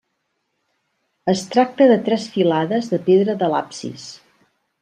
Es tracta de tres filades de pedra de l'absis.